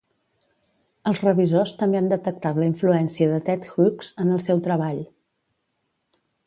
Els revisors també han detectat la influència de Ted Hughes en el seu treball.